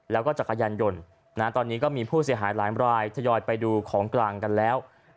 แล้วก็จักรยานยนต์ตอนนี้ก็มีผู้เสียหายหลายรายทยอยไปดูของกลางกันแล้ว